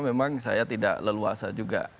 memang saya tidak leluasa juga